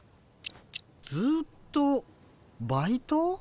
ずっとバイト？